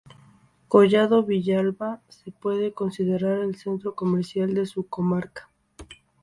Collado Villalba se puede considerar el centro comercial de su comarca.